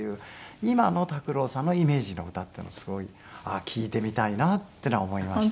今の拓郎さんの『イメージの詩』っていうのすごいああ聴いてみたいなっていうのは思いました。